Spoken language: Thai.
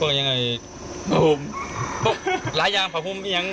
พวกยังไงผะหุมหลายอย่างผะหุมอย่างกัน